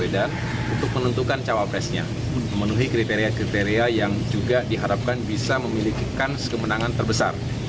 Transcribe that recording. dan untuk menentukan calon presidennya memenuhi kriteria kriteria yang juga diharapkan bisa memiliki kemenangan terbesar